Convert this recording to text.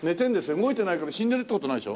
動いてないけど死んでるって事はないでしょ？